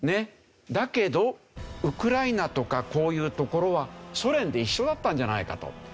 だけどウクライナとかこういう所はソ連で一緒だったんじゃないかと。